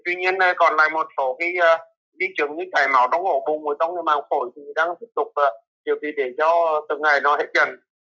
tuy nhiên còn lại một số cái bi trường như chảy máu trong ổ bụng hoặc trong mạng khổi thì đang tiếp tục điều gì để cho từng ngày nó hết trần